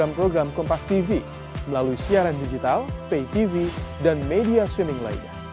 saksikan program kompastv melalui siaran digital paytv dan media streaming lainnya